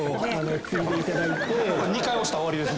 ２回押したら終わりです。